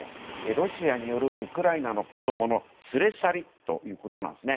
ロシアによるウクライナの子供の連れ去りということです。